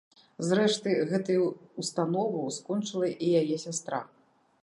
Зрэшты, гэтую ўстанову скончыла і яе сястра.